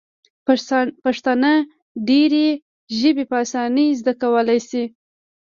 پښتانه ډیري ژبي په اسانۍ زده کولای سي.